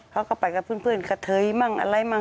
เขาก็ไปกับเพื่อนกระเทยมั่งอะไรมั่ง